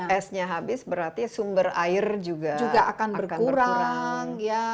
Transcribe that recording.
esnya habis berarti sumber air juga akan berkurang